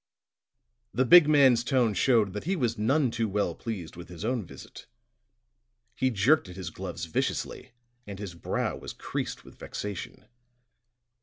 The big man's tone showed that he was none too well pleased with his own visit; he jerked at his gloves viciously, and his brow was creased with vexation.